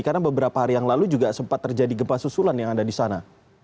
karena beberapa hari yang lalu juga sempat terjadi gempa susulan yang ada di sana